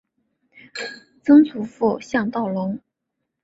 曾祖父向道隆。